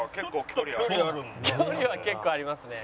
距離は結構ありますね。